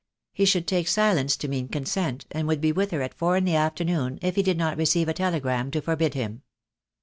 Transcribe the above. He should take silence to mean consent, and would be with her at four in the afternoon, if he did not receive a telegram to forbid him.